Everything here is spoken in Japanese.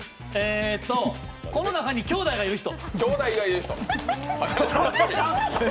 この中にきょうだいがいる人。